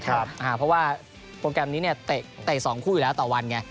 เพราะว่าโปรแกรมนี้เตะ๒คู่อยู่แล้วต่อวันไง